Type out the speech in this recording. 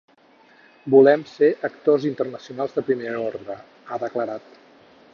“Volem ser actors internacionals de primer ordre”, ha declarat.